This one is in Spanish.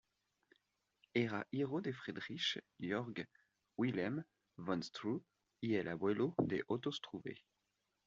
Era hijo de Friedrich Georg Wilhelm von Struve, y el abuelo de Otto Struve.